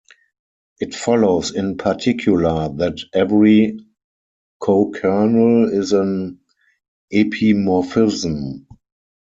It follows in particular that every cokernel is an epimorphism.